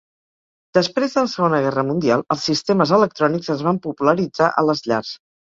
Després de la Segona Guerra Mundial els sistemes electrònics es van popularitzar a les llars.